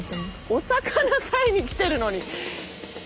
お魚買いに来てるのに。